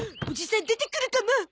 おじさん出てくるかも！